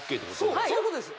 そうそういうことです